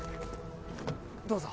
どうぞ。